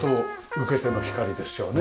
受けての光ですよね。